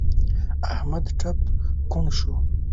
احمد ټپ کوڼ شو.